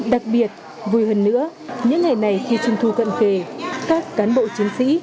đặc biệt vui hơn nữa những ngày này khi trình thu cận kề các cán bộ chiến sĩ